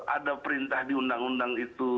ada perintah di undang undang itu